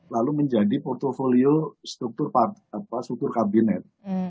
lalu menjadi portfolio struktur struktur kabinet